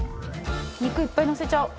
肉いっぱいのせちゃおう。